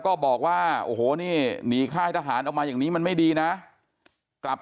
ก็บอกว่าโอ้โหนี่หนีค่ายทหารออกมาอย่างนี้มันไม่ดีนะกลับ